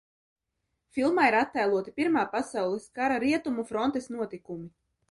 Filmā ir attēloti Pirmā pasaules kara Rietumu frontes notikumi.